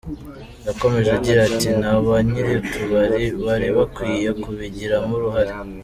Yakomeje agira ati “Na ba nyir’utubari bari bakwiye kubigiramo uruhare.